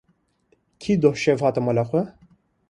Kî doh şev hat mala we.